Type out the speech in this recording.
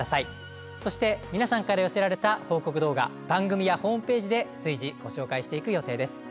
そして皆さんから寄せられた報告動画番組やホームページで随時ご紹介していく予定です。